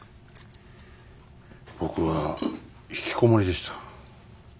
僕はひきこもりでした。